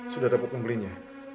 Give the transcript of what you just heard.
sudah dapat pembelinya